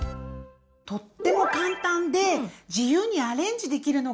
とっても簡単で自由にアレンジできるのがいいよね！